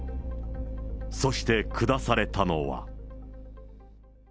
そして、下されたのは。